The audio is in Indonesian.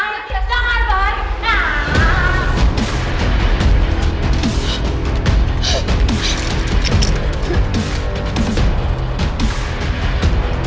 kau mau lah jangan lah